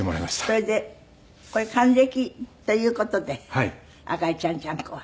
それでこれ還暦という事で赤いちゃんちゃんこは。